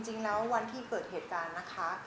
จริงแล้ววันที่เกิดเหตุการณ์นะคะ